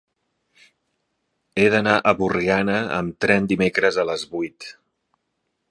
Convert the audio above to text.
He d'anar a Borriana amb tren dimecres a les vuit.